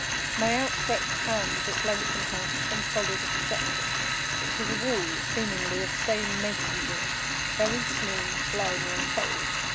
My outstretched hands at length encountered some solid obstruction. It was a wall, seemingly of stone masonry—very smooth, slimy, and cold.